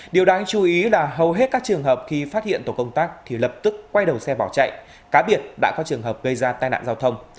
điều đáng chú ý là hầu hết các trường hợp khi phát hiện tổ công tác thì lập tức quay đầu xe bỏ chạy cá biệt đã có trường hợp gây ra tai nạn giao thông